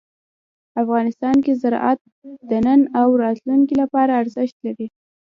افغانستان کې زراعت د نن او راتلونکي لپاره ارزښت لري.